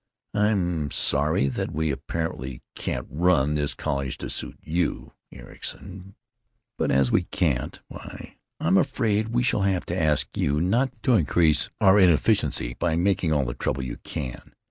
I am sorry that we apparently can't run this college to suit you, Ericson, but as we can't, why, I'm afraid we shall have to ask you not to increase our inefficiency by making all the trouble you can.